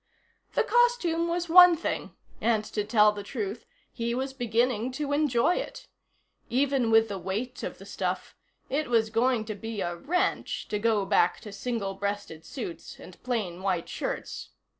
The costume was one thing, and, to tell the truth, he was beginning to enjoy it. Even with the weight of the stuff, it was going to be a wrench to go back to single breasted suits and plain white shirts.